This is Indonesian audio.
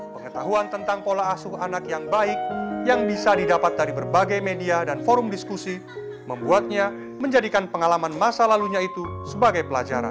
pengetahuan tentang pola asuh anak yang baik yang bisa didapat dari berbagai media dan forum diskusi membuatnya menjadikan pengalaman masa lalunya itu sebagai pelajaran